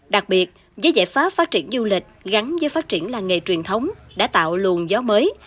đặc biệt với giải pháp phát triển du lịch gắn với phát triển làng nghề truyền thống đã tạo luồn gió mới